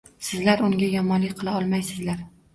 Sizlar unga yomonlik qila olmaysiz.